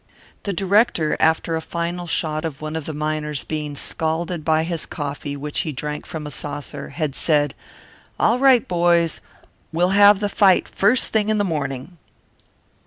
The director, after a final shot of one of the miners being scalded by his coffee which he drank from a saucer, had said, "All right, boys! We'll have the fight first thing in the morning."